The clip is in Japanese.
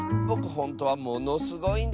ほんとはものすごいんだけどな。